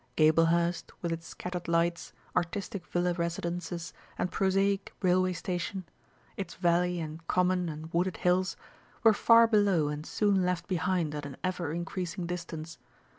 Gablehurst, with its scattered lights, artistic villa residences, and prosaic railway station its valley and common and wooded hills, were far below and soon left behind at an ever increasing distance.